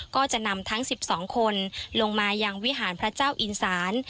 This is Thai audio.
ก็จะนำทั้ง๑๒คนลงมายังวิหารพระเจ้าอินสาน